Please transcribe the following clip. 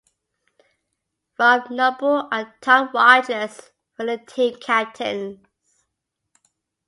Rob Noble and Tom Rogers were the team captains.